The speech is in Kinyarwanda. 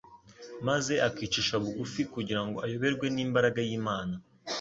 maze akicisha bugufi kugira ngo ayoborwe n'imbaraga y'Imana.